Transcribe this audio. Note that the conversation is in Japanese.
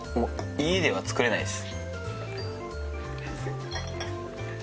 家では作れないです。